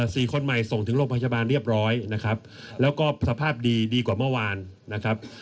สี่คนใหม่ส่งถึงโรงพยาบาลเรียบร้อยนะครับแล้วก็สภาพดีดีกว่าเมื่อวานนะครับ